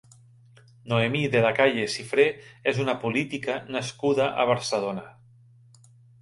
Noemí de la Calle Sifré és una política nascuda a Barcelona.